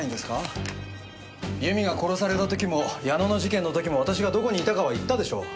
由美が殺された時も矢野の事件の時も私がどこにいたかは言ったでしょう。